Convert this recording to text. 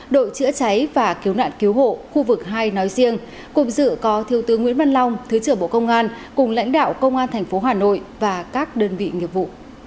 đội chữa cháy và cứu nạn cứu hộ khu vực hai nói riêng cùng dự có thiếu tướng nguyễn văn long thứ trưởng bộ công an cùng lãnh đạo công an tp hà nội và các đơn vị nghiệp vụ